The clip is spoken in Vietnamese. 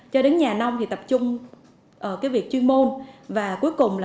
cho đến nhà nông thì tập trung cái việc chuyên môn và cuối cùng là